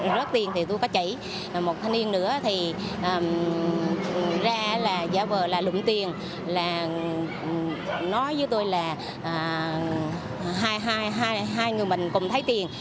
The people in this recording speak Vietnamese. rớt tiền thì tôi có chảy một thân niên nữa thì ra là giả vờ là lụm tiền là nói với tôi là hai người mình cùng thấy tiền